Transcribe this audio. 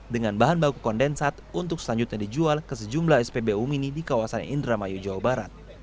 dengan bahan baku kondensat untuk selanjutnya dijual ke sejumlah spbu mini di kawasan indramayu jawa barat